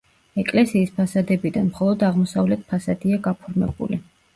ეკლესიის ფასადებიდან მხოლოდ აღმოსავლეთ ფასადია გაფორმებული.